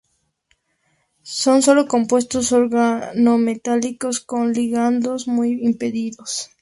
Son sólo compuestos organometálicos con ligandos muy impedidos.